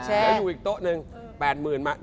ดีกว่าอยู่อีกโต๊ะนึง๘๐๐๐๐มา